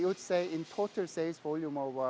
jadi saya akan mengatakan dalam total volume axo kami